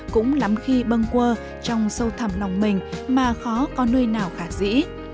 cũng lắm khi bâng qua trong sâu thẳm lòng mình mà khó có nơi nào khả dĩ